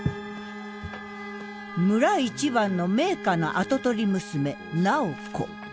村一番の名家の跡取り娘楠宝子。